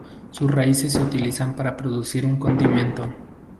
Sus raíces se utilizan para producir un condimento.